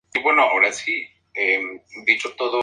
Su enfermedad se introdujo en el guion.